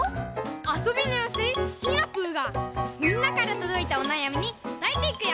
あそびのようせいシナプーがみんなからとどいたおなやみにこたえていくよ！